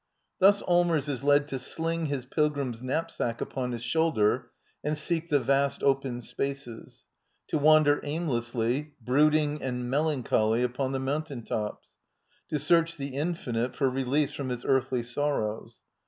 Thus Allmers is led to sling his pilgrim's knap sack upon his shoulder and seek the vast, open spaces — to wander aimlessly, brooding and melancholy, upon the mountain tops — to search the infinite for release from his earthly sorrows.